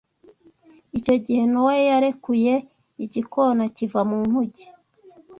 Icyo gihe Nowa yarekuye igikona kiva mu nkuge